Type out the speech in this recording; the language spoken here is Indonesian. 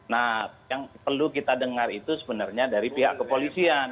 nah yang perlu kita dengar itu sebenarnya dari pihak kepolisian